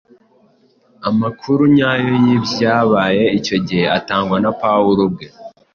Amakuru nyayo y’ibyabaye icyo gihe atangwa na Pawulo ubwe